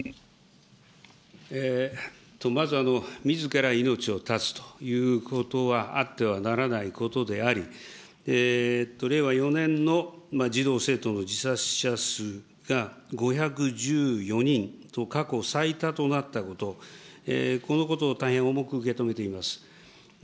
まず、みずから命を絶つということはあってはならないことであり、令和４年の児童・生徒の自殺者数が５１４人と、過去最多となったこと、このことを大変重く受け止めています。